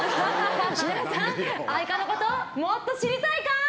皆さん、愛花のこともっと知りたいか？